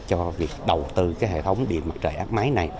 cho việc đầu tư hệ thống điện mặt trời áp mái này